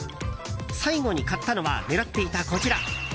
最後に買ったのは狙っていた、こちら。